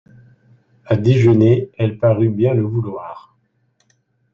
A déjeuner, elle parut bien le vouloir.